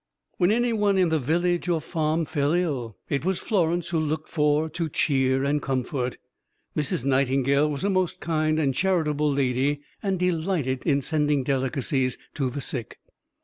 When anyone in the village or farm fell ill, it was Florence who was looked for to cheer and comfort. Mrs. Nightingale was a most kind and charitable lady, and delighted in sending delicacies to the sick.